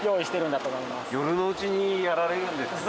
夜のうちにやられるんですね。